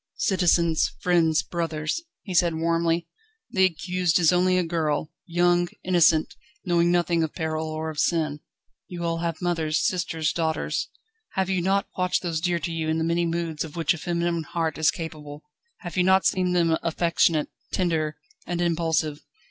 "Citizens, friends, brothers," he said warmly, "the accused is only a girl, young, innocent knowing nothing of peril or of sin. You all have mothers, sisters, daughters have you not watched those dear to you in the many moods of which a feminine heart is capable; have you not seen them affectionate, tender, and impulsive?